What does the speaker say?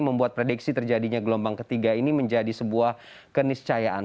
membuat prediksi terjadinya gelombang ketiga ini menjadi sebuah keniscayaan